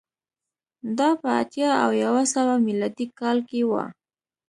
دا په اتیا او یو سوه میلادي کال کې و